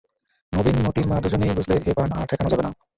নবীন মোতির মা দুজনেই বুঝলে এ বান আর ঠেকানো যাবে না।